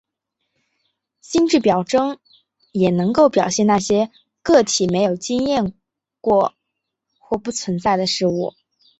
心智表征也能够表现那些个体没有经验过或不存在的事物。